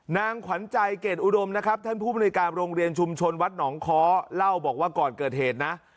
นางขวัญใจเกรดอุดมนะครับท่านผู้บริการโรงเรียนชุมชนวัดหนองค้อเล่าบอกว่าก่อนเกิดเหตุนะ